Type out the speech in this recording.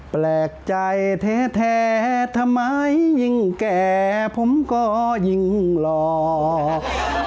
แปลกใจแท้ทำไมยิ่งแก่ผมก็ยิ่งหลอก